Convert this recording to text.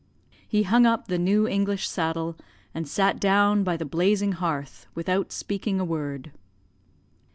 He hung up the new English saddle, and sat down by the blazing hearth without speaking a word.